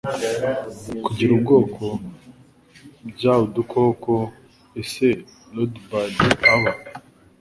Kugira Ubwoko: Bya udukoko Ese Ladybird aba